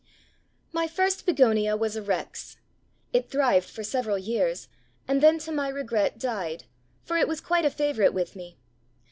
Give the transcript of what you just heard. My first Begonia was a Rex. It thrived for several years, and then to my regret died, for it was quite a favorite with me.